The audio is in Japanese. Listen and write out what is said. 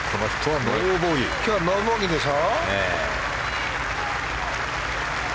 今日はノーボギーでしょ。